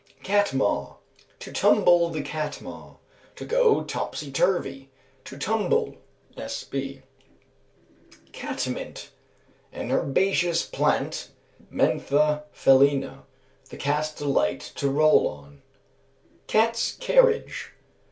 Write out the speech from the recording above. Catmaw. "To tumble the catmaw," to go topsy turvy, to tumble (S. B.). Catmint. An herbaceous plant (Mentha felina), that cats delight to roll on. _Cat's Carriage.